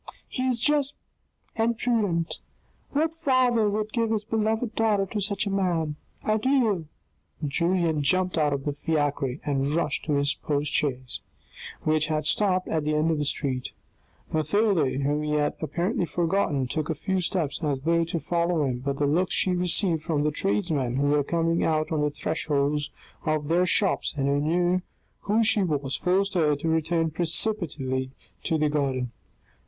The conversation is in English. He is just and prudent. VVhat father would give his beloved daughter to such a man ? Adieu !" Julien jumped out of the fiacre and rushed to his postchaise, which had stopped at the end of the street Mathilde, whom he had apparently forgotten, took a few steps as though to follow him, but the looks she received from the tradesmen, who were coming out on the thresholds of their shops, and who knew who she was, forced her to return precipitately to the garden.